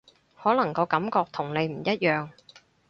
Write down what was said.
可能個感覺同你唔一樣